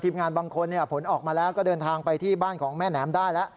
งานบางคนผลออกมาแล้วก็เดินทางไปที่บ้านของแม่แหนมได้แล้ว